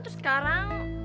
terus sekarang kalian sobat nih